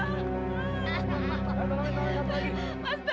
ya udah kita bisa